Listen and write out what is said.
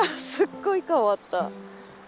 すっごい変わった。